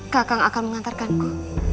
kakak akan mengantarkanku